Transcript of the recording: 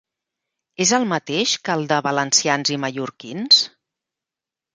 És el mateix que el de valencians i mallorquins?